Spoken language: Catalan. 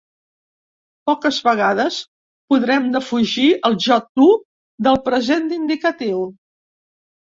Poques vegades podrem defugir el jo-tu del present d'indicatiu.